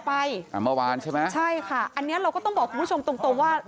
เมื่อวานใช่ไหมใช่ค่ะอันนี้เราก็ต้องบอกคุณผู้ชมตรงตรงว่า